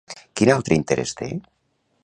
Quin altre interès té?